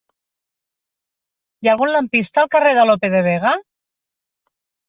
Hi ha algun lampista al carrer de Lope de Vega?